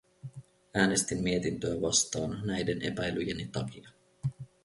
Äänestin mietintöä vastaan näiden epäilyjeni takia.